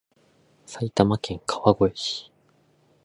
埼玉県川越市